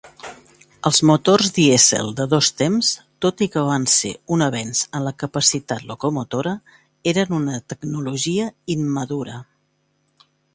Els motors dièsel de dos temps, tot i que van ser un avenç en la capacitat locomotora, eren una tecnologia immadura.